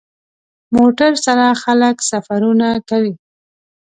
موټر سره خلک سفرونه کوي.